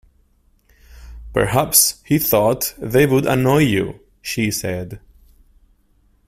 “Perhaps he thought they would annoy you,” she said.